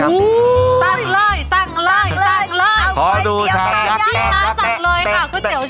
สั่งเลยสั่งเลยสั่งเลย